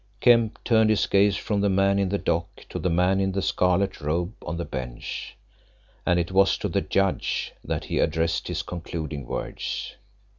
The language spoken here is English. Kemp turned his gaze from the man in the dock to the man in the scarlet robe on the bench, and it was to the judge that he addressed his concluding words.